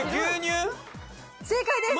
正解です！